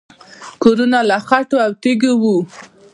کورونه له خټو او تیږو وو